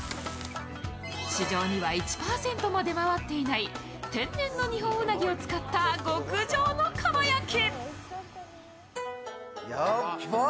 市場には１％も出回っていない天然のニホンウナギを使った極上のかば焼き。